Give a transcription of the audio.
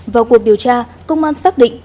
vào cuộc điều tra công an xác định